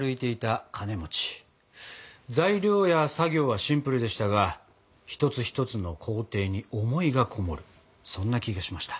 材料や作業はシンプルでしたが一つ一つの工程に思いがこもるそんな気がしました。